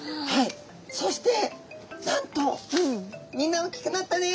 そしてなんと「みんな大きくなったね」。